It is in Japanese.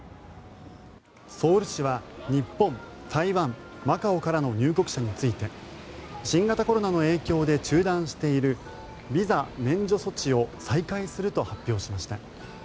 ソウル市は日本、台湾マカオからの入国者について新型コロナの影響で中断しているビザ免除措置を再開すると発表しました。